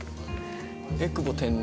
えくぼ天然？